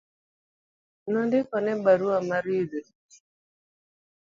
Nondikone barua mar yudo tich